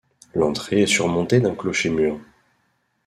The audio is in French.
L'entrée est surmonté d'un clocher-mur.